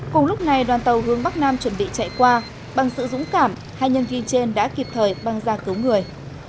cùng lúc này đoàn tàu hướng bắc nam chuẩn bị chạy qua bằng sự dũng cảm hai nhân viên trên đã kịp thời băng ra cứu người